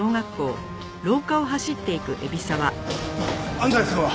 安西さんは？